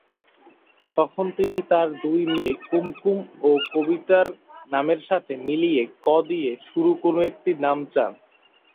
তখন তিনি তার দুই মেয়ে কুমকুম ও কবিতার নামের সাথে মিলিয়ে "ক" দিয়ে শুরু কোন একটি নাম চান।